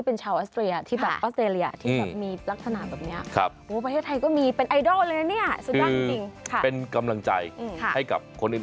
โอ้โหประมือระยะ